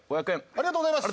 ありがとうございます。